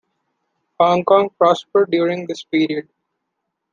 Hong Kong prospered during this period.